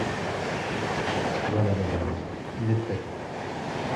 Voilà, madame, il est prêt.